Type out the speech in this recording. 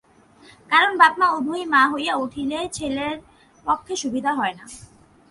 কারণ, বাপ মা উভয়েই মা হইয়া উঠিলে ছেলের পক্ষে সুবিধা হয় না।